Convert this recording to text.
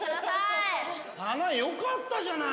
よかったじゃない。